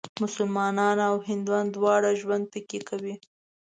مسلمانان او هندوان دواړه ژوند پکې کوي.